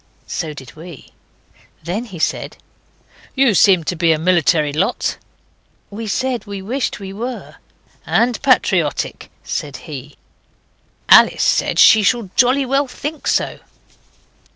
So did we. Then he said 'You seem to be a military lot.' We said we wished we were. 'And patriotic,' said he. Alice said she should jolly well think so.